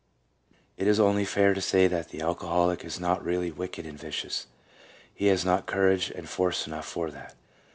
It is only fair to say that the alcoholic is not really wicked and vicious; he has not courage and force enough for that.